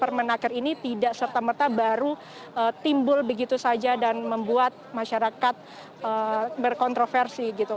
permenaker ini tidak serta merta baru timbul begitu saja dan membuat masyarakat berkontroversi gitu